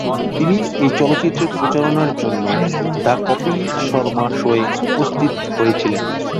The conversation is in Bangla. তিনি এই চলচ্চিত্রের প্রচারণার জন্য দ্য কপিল শর্মা শোয় উপস্থিত হয়েছিলেন।